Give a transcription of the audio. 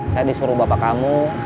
saya disuruh bapak kamu